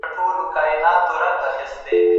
ماسک کارول هم ګټه لري.